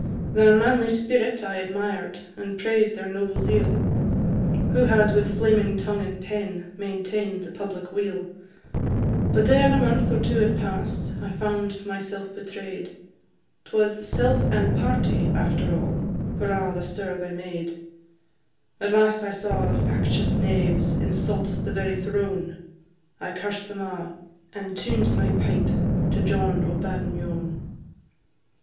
Their manly spirit I admired, And praised their noble zeal, Who had with flaming tongue and pen Maintain'd the public weal; But e'er a month or two had pass'd, I found myself betray'd, 'Twas self and party, after all, For a' the stir they made; At last I saw the factious knaves Insult the very throne, I cursed them a', and tuned my pipe To John o' Badenyon.